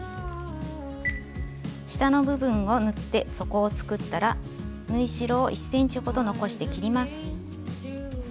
下の部分を縫って底を作ったら縫い代を１ｃｍほど残して切ります。